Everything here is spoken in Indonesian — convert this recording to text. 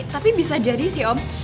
tapi bisa jadi sih om